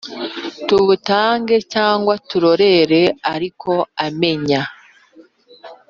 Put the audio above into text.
Tuwutange cyangwa turorere ariko amenya